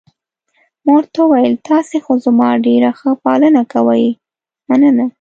ما ورته وویل: تاسي خو زما ډېره ښه پالنه کوئ، مننه.